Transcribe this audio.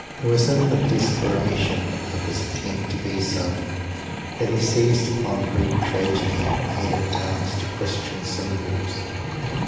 It was in the desperation of his attempt to be so, that he seized upon Greek tragedy and made it dance to Christian cymbals!